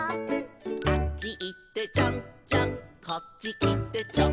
「あっちいってちょんちょんこっちきてちょん」